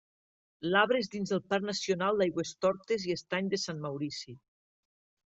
L'arbre és dins el Parc Nacional d'Aigüestortes i Estany de Sant Maurici.